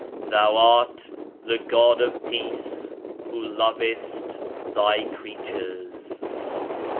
Thou art 'the God of peace Who lovest Thy creatures.'